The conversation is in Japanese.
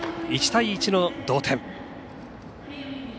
１対１の同点。